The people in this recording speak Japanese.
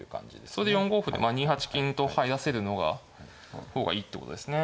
それで４五歩で２八金と入らせるのが方がいいってことですね。